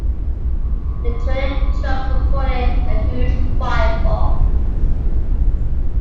The trailing truck supported a huge firebox.